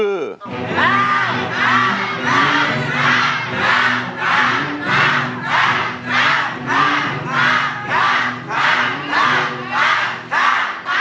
เคม